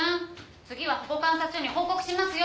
次は保護観察所に報告しますよ。